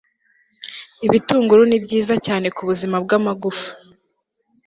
ibitunguru ni byiza cyane ku buzima bw'amagufa